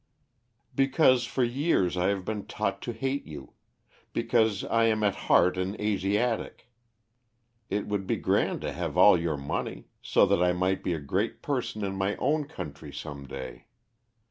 "Because for years I have been taught to hate you; because I am at heart an Asiatic. It would be grand to have all your money, so that I might be a great person in my own country some day.